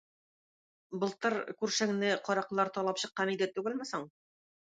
Былтыр күршеңне караклар талап чыккан иде түгелме соң?